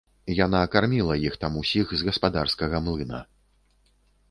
Яна карміла іх там усіх з гаспадарскага млына.